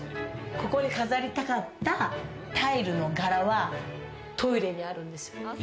ここに飾りたかったタイルの柄はトイレにあるんですよ。